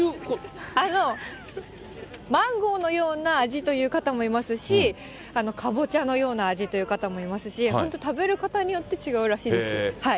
マンゴーのような味と言う方もいますし、カボチャのような味という方もいますし、本当、食べる方によって違うらしいです。